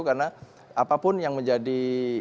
karena apapun yang menjadi